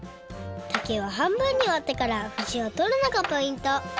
竹は半分にわってからふしをとるのがポイント